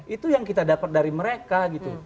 itu yang kita dapat dari mereka gitu